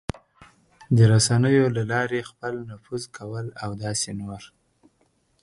د رسنیو له لارې خپل نفوذ کول او داسې نور...